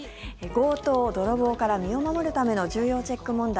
強盗、泥棒から身を守るための重要チェック問題